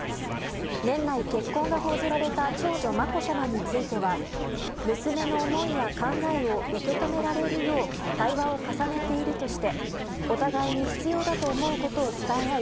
年内結婚が報じられた長女・まこさまについては娘の思いや考えを受け止められるよう対話を重ねているとしてお互いに必要だと思うことを伝え合い